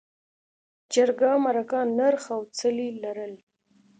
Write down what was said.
جرګه، مرکه، نرخ او څلي لرل.